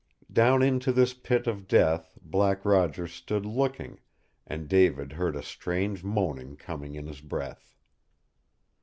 Down into this pit of death Black Roger stood looking, and David heard a strange moaning coming in his breath.